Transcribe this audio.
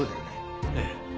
ええ。